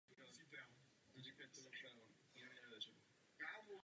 Byl také užíván jako úřední oslovení v mnoha zemích s komunistickým režimem.